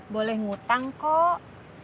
boleh ngutang kok